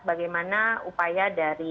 bagaimana upaya dari